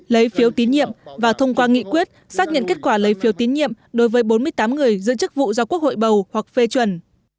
lấy phiếu tín nhiệm và thông qua nghị quyết xác nhận kết quả lấy phiếu tín nhiệm đối với bốn mươi tám người giữ chức vụ do quốc hội bầu hoặc phê chuẩn